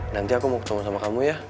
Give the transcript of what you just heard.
nanti aku mau ketemu sama kamu ya